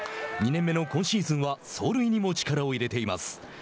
２年目の今シーズンは走塁にも力を入れています。